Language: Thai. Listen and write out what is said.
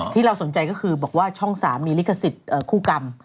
ที่เราสนใจก็คือบอกว่าช่อง๓มีลิขสิทธิ์คู่กรรม